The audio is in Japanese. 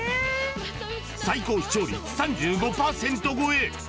最高視聴率３５％超え。